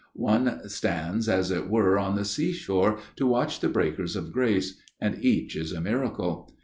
One stands as it were on the sea shore to watch the breakers of grace ; and each is a miracle.